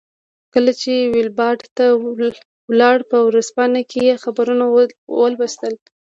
کله چې ویلباډ ته ولاړ په ورځپاڼو کې یې خبرونه ولوستل.